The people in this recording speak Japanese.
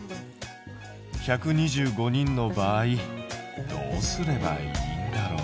１２５人の場合どうすればいいんだろう？